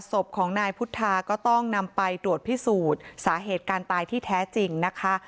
ศพของนายพุทธาก็ต้องนำไปตรวจพิสูจน์สาเหตุการตายที่แท้จริงนะคะ